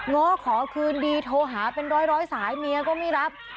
ง้อขอคืนดีโทรหาเป็นร้อยสายเมียก็ไม่รับ